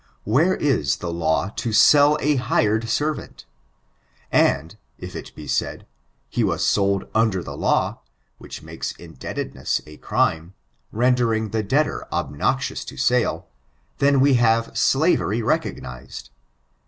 Where is the law to sell a hired servant ? And, if it be said, he wa^ sold under the law, which makes indebtedness a crime, rerideting the debtor obnoxious to sale,^ then we have slavery rea>giiized.